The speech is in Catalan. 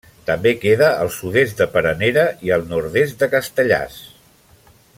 També queda al sud-est de Peranera i al nord-est de Castellars.